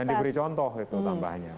dan diberi contoh itu tambahnya